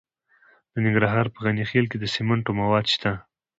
د ننګرهار په غني خیل کې د سمنټو مواد شته.